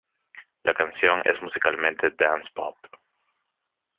La canción es musicalmente dance-pop.